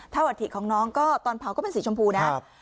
ถ้าอัฐิของน้องก็ตอนเผาก็เป็นสีชมพูนะ